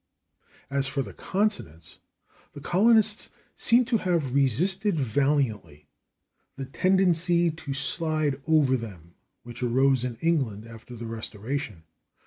As for the consonants, the colonists seem to have resisted valiantly that tendency to slide over them which arose in England after the Restoration.